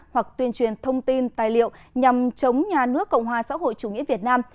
hoặc tuyên truyền thông tin tài liệu nhằm chống nhà nước cộng hòa xã hội chủ nghĩa việt nam